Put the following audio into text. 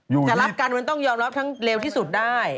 จะรับกันมันต้องยอมรับทั้งเร็วที่สุดได้